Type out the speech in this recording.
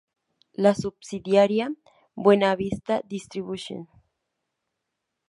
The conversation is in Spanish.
La subsidiaria Buena Vista Distribution.